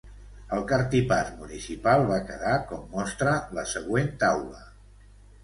El cartipàs municipal va quedar com mostra la següent taula.